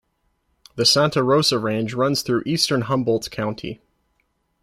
The Santa Rosa Range runs through eastern Humboldt County.